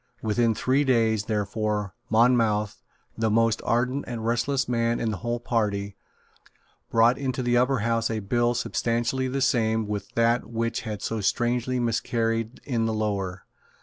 Within three days, therefore, Monmouth, the most ardent and restless man in the whole party, brought into the Upper House a bill substantially the same with that which had so strangely miscarried in the Lower.